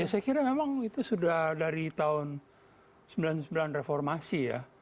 ya saya kira memang itu sudah dari tahun sembilan puluh sembilan reformasi ya